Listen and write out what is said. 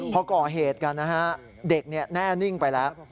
พอก่อเหตุกันนะฮะเด็กแน่นิ่งไปแล้ว